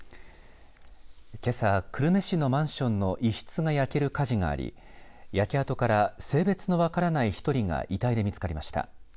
けさ、久留米市のマンションの一室が焼ける火事があり焼け跡から性別の分からない１人が遺体で見つかりました。